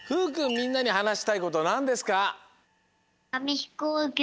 みんなにはなしたいことなんですか？